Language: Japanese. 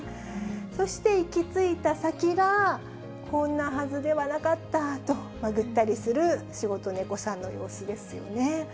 そして行き着いた先が、こんなはずではなかったと、ぐったりする仕事猫さんの様子ですよね。